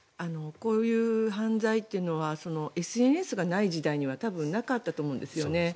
こういう犯罪というのはＳＮＳがない時代には多分なかったと思うんですよね。